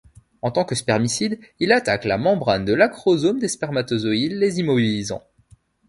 En tant que spermicide il attaque la membrane de l'acrosome des spermatozoïdes, les immobilisant.